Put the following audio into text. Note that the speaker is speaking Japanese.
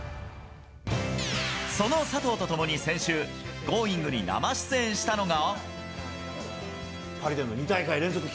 その佐藤と共に先週「Ｇｏｉｎｇ！」に生出演したのが。